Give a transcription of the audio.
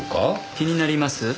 気になります？